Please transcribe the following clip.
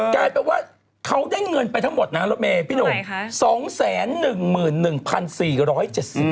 กลายเป็นว่าเขาได้เงินไปทั้งหมดนะครับพี่หนุ่ม